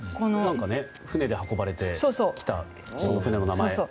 船で運ばれてきた船の名前。